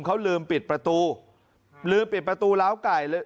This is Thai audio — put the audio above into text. เขาลืมปิดประตูลืมปิดประตูล้าวไก่เลย